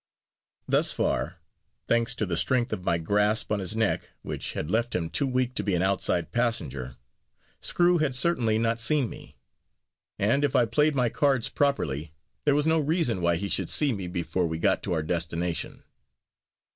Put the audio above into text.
Thus far thanks to the strength of my grasp on his neck, which had left him too weak to be an outside passenger Screw had certainly not seen me; and, if I played my cards properly, there was no reason why he should see me before we got to our destination.